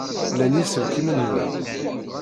Llan yiselkimen da.